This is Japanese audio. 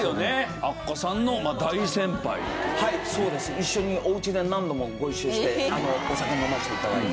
一緒におうちで何度もご一緒してお酒飲ませて頂いて。